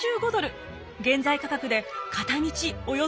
現在価格で片道およそ６７万円。